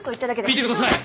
見てください！